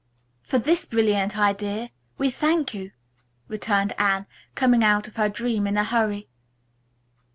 "For this brilliant idea, we thank you," returned Anne, coming out of her dream in a hurry.